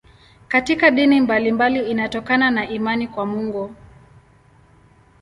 Katika dini mbalimbali inatokana na imani kwa Mungu.